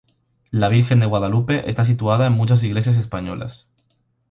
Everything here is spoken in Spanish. La Virgen de Guadalupe está situada en muchas iglesias españolas.